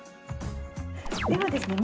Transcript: ではですね